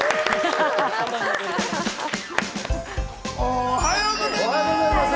おはようございます！